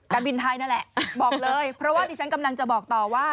การบินไทยนั่นแหละบอกเลยเพราะว่าดิฉันกำลังจะบอกต่อว่า